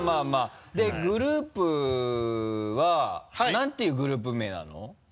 でグループは何ていうグループ名なの？